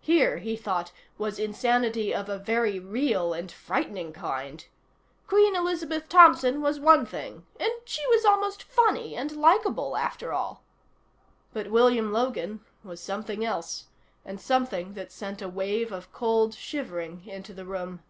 Here, he thought, was insanity of a very real and frightening kind. Queen Elizabeth Thompson was one thing and she was almost funny, and likeable, after all. But William Logan was something else, and something that sent a wave of cold shivering into the room.